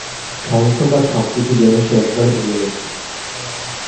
সমস্ত কাজ, সবকিছু যেন সে একেবারে ভুলে গেছে।